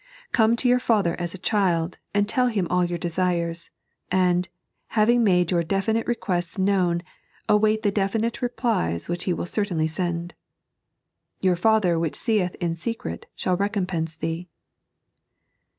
Gome to your Father as a child, and tell TTim all your desires ; and, having made your definite requests known, await the definite replies which He will certainly send. " Tour Father which seeth in secret shall recompense thee."